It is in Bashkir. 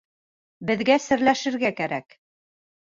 Беҙгә серләшергә кәрәк.